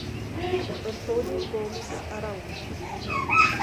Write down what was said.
Antônio Gomes Araújo